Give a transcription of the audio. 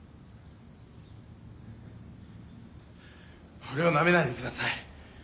俺をなめないでください。